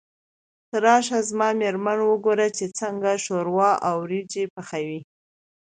ته راشه زما مېرمن وګوره چې څنګه شوروا او وريجې پخوي.